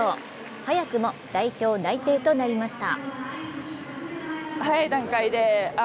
早くも代表内定となりました。